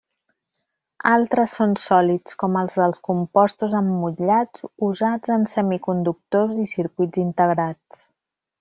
Altres són sòlids, com els dels compostos emmotllats usats en semiconductors i circuits integrats.